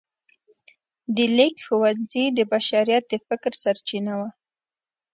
د لیک ښوونځی د بشریت د فکر سرچینه وه.